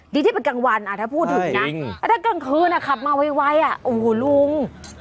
ที่เป็นกลางวันถ้าพูดถึงนะถ้ากลางคืนขับมาไวอ่ะโอ้โหลุง